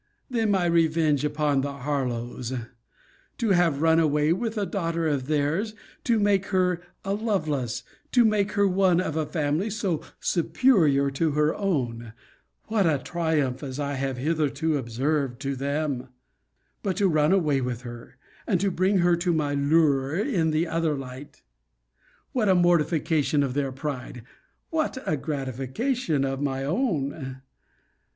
Then my revenge upon the Harlowes! To have run away with a daughter of theirs, to make her a Lovelace to make her one of a family so superior to her own what a triumph, as I have heretofore observed,* to them! But to run away with her, and to bring her to my lure in the other light, what a mortification of their pride! What a gratification of my own!